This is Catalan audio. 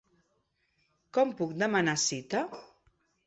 Com puc demanar cita?